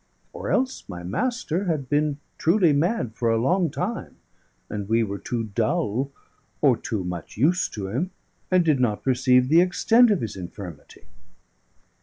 Or else my master had been truly mad for a long time, and we were too dull or too much used to him, and did not perceive the extent of his infirmity.